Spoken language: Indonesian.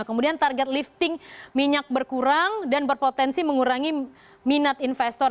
kemudian target lifting minyak berkurang dan berpotensi mengurangi minat investor